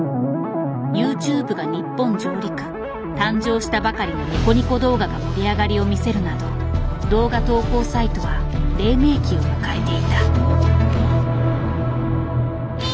ＹｏｕＴｕｂｅが日本上陸誕生したばかりのニコニコ動画が盛り上がりを見せるなど動画投稿サイトは黎明期を迎えていた。